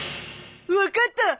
分かった！